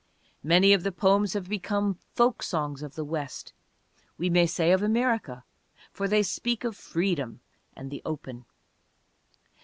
Many of the poems have become folk songs of the West, we may say of America, for they speak of freedom and the open.